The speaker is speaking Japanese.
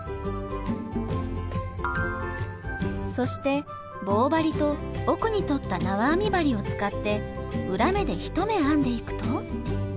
そして棒針と奥に取ったなわ編み針を使って裏目で１目編んでいくと。